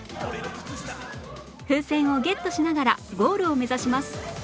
風船をゲットしながらゴールを目指します